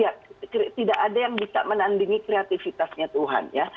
iya tidak ada yang bisa menandingi kreatifitasnya tuhan ya